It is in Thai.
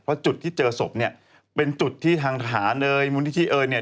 เพราะจุดที่เจอศพเป็นจุดที่ทางฐานมุนิธิเอิญ